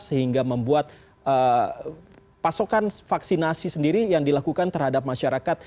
sehingga membuat pasokan vaksinasi sendiri yang dilakukan terhadap masyarakat